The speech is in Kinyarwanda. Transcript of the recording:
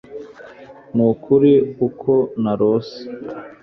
nukuri uko narose